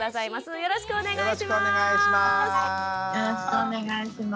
よろしくお願いします。